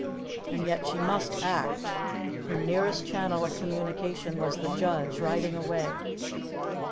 And yet she must act. Her nearest channel of communication was the judge, riding away.